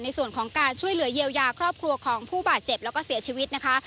ในส่วนของการช่วยเหลือเยียวยาครอบครัวของผู้บาดเจ็บแล้วก็เสียชีวิตนะคะ